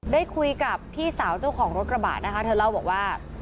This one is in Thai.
ได้คุยกับพี่สาวเจ้าของรถกระบะนะคะเธอเล่าบอกว่า